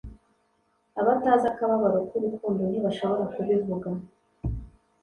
abatazi akababaro k'urukundo ntibashobora kubivuga